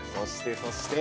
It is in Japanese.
そして